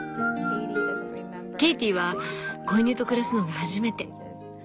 ケイティは子犬と暮らすのが初めて。